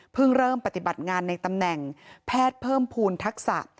เริ่มปฏิบัติงานในตำแหน่งแพทย์เพิ่มภูมิทักษะ